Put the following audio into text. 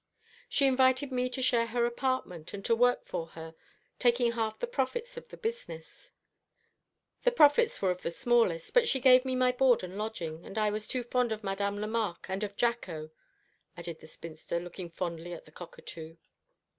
She invited me to share her apartment, and to work for her, taking half the profits of the business. The profits were of the smallest, but she gave me my board and lodging, and I was too fond of Madame Lemarque, and of Jacko," added the spinster, looking fondly at the cockatoo.